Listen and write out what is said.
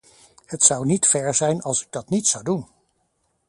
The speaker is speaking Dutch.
Het zou niet fair zijn als ik dat niet zou doen.